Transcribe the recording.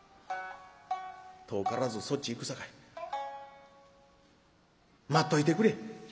遠からずそっちへ行くさかい待っといてくれ」。